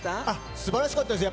素晴らしかったですよ。